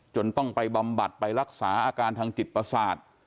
ต้องไปบำบัดไปรักษาอาการทางจิตประสาท